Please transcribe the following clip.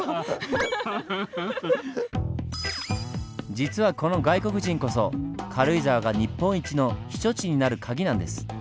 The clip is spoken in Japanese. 実はこの外国人こそ軽井沢が日本一の避暑地になる鍵なんです。